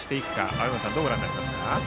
青山さん、どうご覧になりますか。